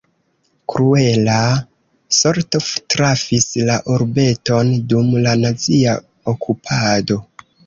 Kruela sorto trafis la urbeton dum la nazia okupado.